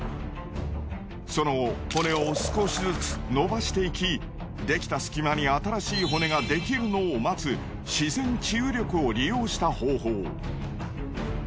その骨を少しずつ伸ばしていきできた隙間に新しい骨ができるのを待つ自然治癒力を利用した方法。